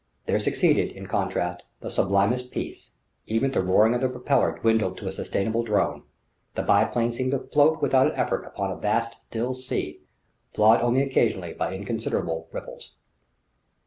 There succeeded, in contrast, the sublimest peace; even the roaring of the propeller dwindled to a sustained drone; the biplane seemed to float without an effort upon a vast, still sea, flawed only occasionally by inconsiderable ripples.